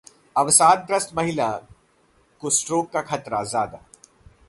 अवसादग्रस्त महिला को स्ट्रोक का खतरा ज्यादा